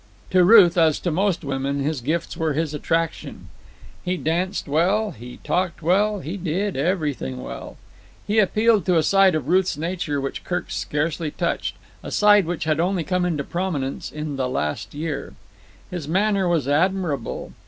To Ruth, as to most women, his gifts were his attraction. He danced well; he talked well; he did everything well. He appealed to a side of Ruth's nature which Kirk scarcely touched—a side which had only come into prominence in the last year. His manner was admirable.